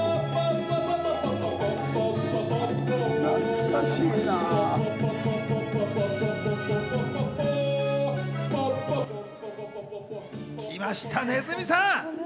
懐かしいな。来ました、鼠さん。